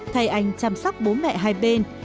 thay anh chăm sóc bố mẹ hai bên